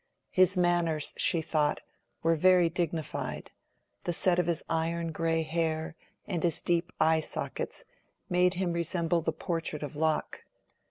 His manners, she thought, were very dignified; the set of his iron gray hair and his deep eye sockets made him resemble the portrait of Locke.